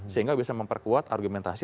sehingga bisa memperkuat argumentasi